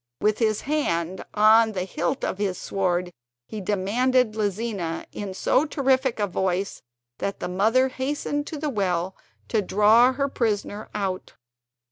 With his hand on the hilt of his sword he demanded Lizina in so terrific a voice that the mother hastened to the well to draw her prisoner out.